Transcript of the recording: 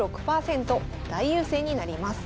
大優勢になります。